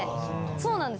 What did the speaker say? そうなんです。